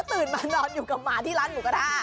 ตื่นมานอนอยู่กับหมาที่ร้านหมูกระทะ